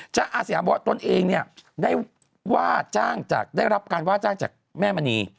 จ๊ะอาศียาบัวตนเองเนี่ยได้รับการว่าจ้างจากแม่มณี